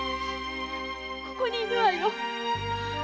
ここにいるわよ。